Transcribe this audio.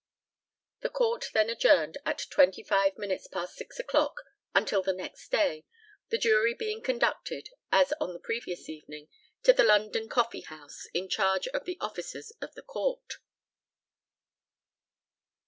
The COURT then adjourned at twenty five minutes past six o'clock until the next day, the jury being conducted, as on the previous evening, to the London Coffeehouse in charge of the officers of the Court.